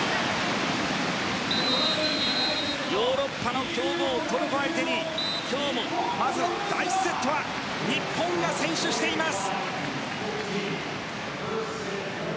ヨーロッパの強豪・トルコ相手に日本、今夜も第１セットを先取しています。